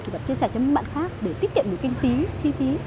thì bạn chia sẻ cho những bạn khác để tiết kiệm được kinh phí chi phí